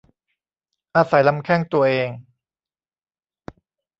อาศัยลำแข้งตัวเอง